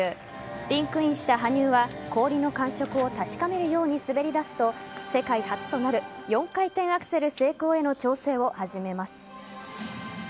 リンクインした羽生は氷の感触を確かめるように滑り出すと世界初となる４回転アクセル成功への調整を始めます。